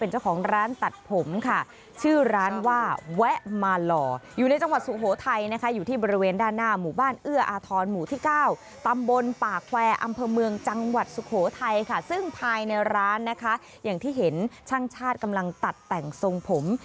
จังหวัดสุโขทัยค่ะซึ่งภายในร้านนะคะอย่างที่เห็นช่างชาติกำลังตัดแต่งทรงผม